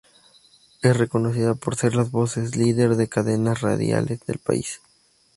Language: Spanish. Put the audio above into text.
Es reconocida por ser las voces líder de cadenas radiales del país.